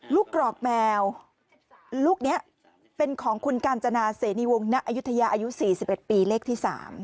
กรอกแมวลูกนี้เป็นของคุณกาญจนาเสนีวงณอายุทยาอายุ๔๑ปีเลขที่๓